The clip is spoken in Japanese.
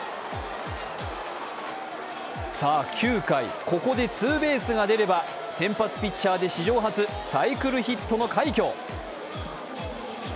さあ９回、ここでツーベースが出れば先発ピッチャーで史上初サイクルヒットの快挙。